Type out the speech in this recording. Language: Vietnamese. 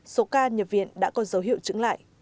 số ca nhập viện đã có dấu hiệu trứng lại